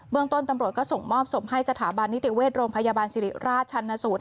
เมืองต้นตำรวจก็ส่งมอบศพให้สถาบันนิติเวชโรงพยาบาลสิริราชชันสูตร